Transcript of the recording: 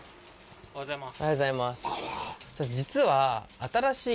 おはようございます。